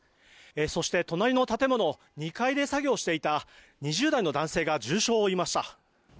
そして、隣の建物２階で作業していた２０代の男性が重傷を負いました。